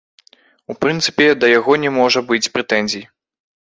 У прынцыпе, да яго не можа быць прэтэнзій.